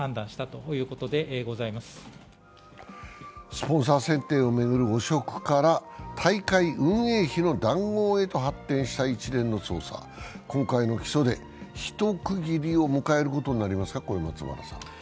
スポンサー選定を巡る汚職から大会運営費の談合へと発展した一連の捜査は今回の起訴で一区切りを迎えることになりますか。